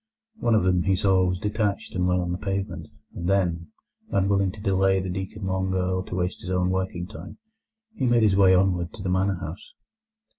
One of them, he saw, was detached, and lay on the pavement. And then, unwilling to delay the deacon longer or to waste his own working time, he made his way onward to the manor house.